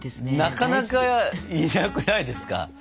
なかなかいなくないですか？